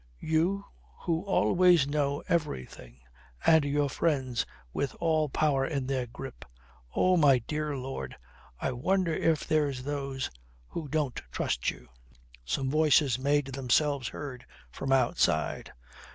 You who always know everything! And your friends 'with all power in their grip,' Oh, my dear lord, I wonder if there's those who don't trust you?" Some voices made themselves heard from outside.